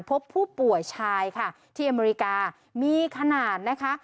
พบผู้ป่วยชายค่ะที่อเมริกามีขนาดนะคะ